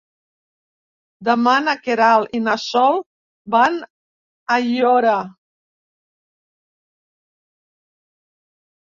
Demà na Queralt i na Sol van a Aiora.